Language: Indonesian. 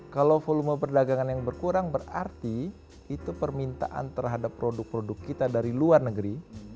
kalau volume perdagangan yang berkurang berarti itu permintaan terhadap produk produk kita dari luar negeri